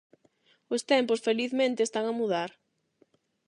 Os tempos, felizmente, están a mudar.